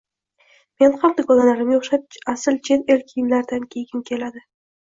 Men ham dugonalarimga o`xshab asl chet el kiyimlaridan kiygim keladi